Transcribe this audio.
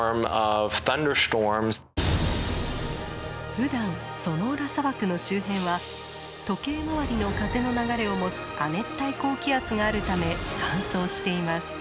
ふだんソノーラ砂漠の周辺は時計回りの風の流れを持つ亜熱帯高気圧があるため乾燥しています。